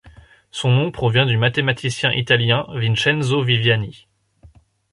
Son nom provient du mathématicien italien Vincenzo Viviani.